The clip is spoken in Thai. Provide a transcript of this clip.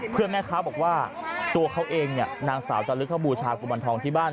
เพื่อนแม่ค้าบอกว่าตัวเขาเองเนี่ยนางสาวจาลึกเขาบูชากุมารทองที่บ้าน